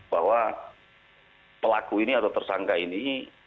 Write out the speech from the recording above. bahwa pelaku ini atau tersangka ini